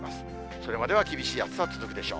それまでは厳しい暑さは続くでしょう。